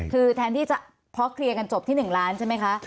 คือแทนที่จะเพราะเคลียร์กันจบที่๑ล้านใช่ไหมคะ